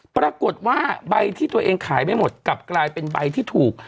ปรากฏว่าใบที่ตัวเองขายไม่หมดกลับกลายเป็นใบที่ถูก